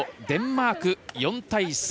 デンマーク、４対３。